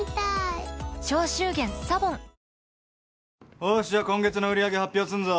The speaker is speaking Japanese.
よしじゃあ今月の売り上げ発表すんぞ。